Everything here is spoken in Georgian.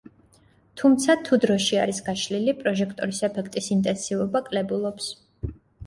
თუმცა, თუ დროში არის გაშლილი პროჟექტორის ეფექტის ინტენსივობა კლებულობს.